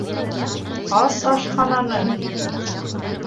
Ас ашхананы!